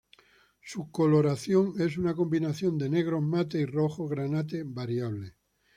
Su coloración es una combinación de negro mate y rojo granate, variable.